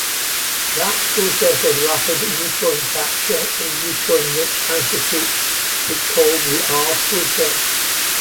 That process of rapid neutron capture in neutron-rich isotopes is called the "r-process".